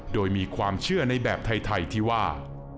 โดยมีความเชื่อในแบบไทยที่ว่า